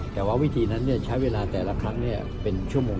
แต่ว่าวิธีนั้นใช้เวลาแต่ละครั้งเป็นชั่วโมง